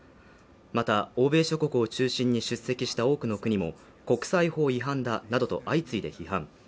また、欧米諸国を中心に出席した多くの国も、国際法違反だなどと相次いで批判。